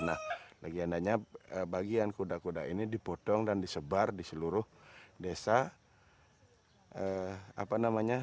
nah legendanya bagian kuda kuda ini dipotong dan disebar di seluruh desa